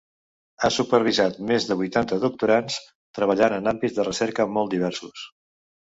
Ha supervisat més de vuitanta doctorands treballant en àmbits de recerca molt diversos.